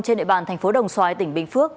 trên nệm bàn thành phố đồng xoái tỉnh bình phước